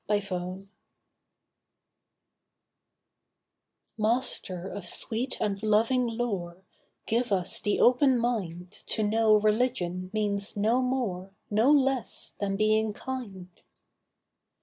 A PRAYER Master of sweet and loving lore, Give us the open mind To know religion means no more, No less, than being kind.